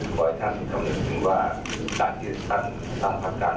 ก็อย่างที่ท่านพระคัญเมืองและเข้าสมกูแทนเดียวสมัครการณ์ผู้ชายต่าง